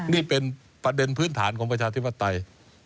นี่เป็นประเด็นพื้นฐานของประชาธิปไตย